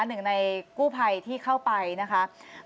หนึ่งในกู้ภัยที่เข้าไปนะคะ